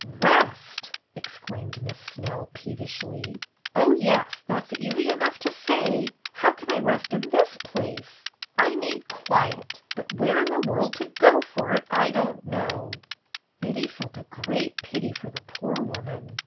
"Rest!" exclaimed Miss Snell, peevishly. "Oh, yes, that's easy enough to say. How can I rest in this place? I need quiet. But where in the world to go for it I don't know." Betty felt a great pity for the poor woman.